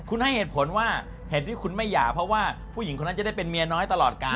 คุณให้เหตุผลว่าเหตุที่คุณไม่หย่าเพราะว่าผู้หญิงคนนั้นจะได้เป็นเมียน้อยตลอดกาล